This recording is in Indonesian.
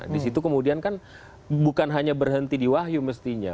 disitu kemudian kan bukan hanya berhenti di wahyu mestinya